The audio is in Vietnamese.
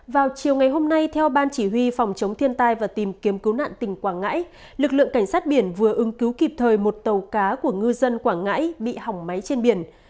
vào chiều ngày hôm nay theo ban chỉ huy phòng chống thiên tai và tìm kiếm cứu nạn tỉnh quảng ngãi lực lượng cảnh sát biển vừa ứng cứu kịp thời một tàu cá của ngư dân quảng ngãi bị hỏng máy trên biển